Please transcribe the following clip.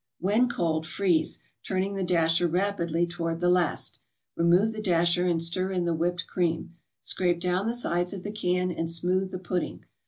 When cold, freeze, turning the dasher rapidly toward the last. Remove the dasher and stir in the whipped cream. Scrape down the sides of the can, and smooth the pudding.